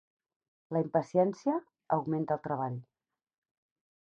La impaciència augmenta el treball.